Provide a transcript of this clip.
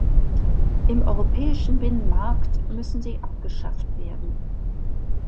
Im europäischen Binnenmarkt müssen sie abgeschafft werden.